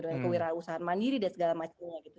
dengan kewirausahaan mandiri dan segala macamnya gitu